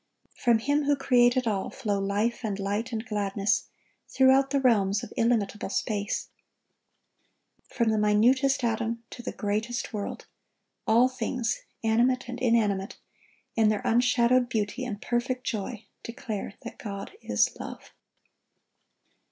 From Him who created all, flow life and light and gladness, throughout the realms of illimitable space. From the minutest atom to the greatest world, all things, animate and inanimate, in their unshadowed beauty and perfect joy, declare that God is love.